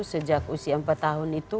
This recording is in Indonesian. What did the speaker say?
sejak usia empat tahun itu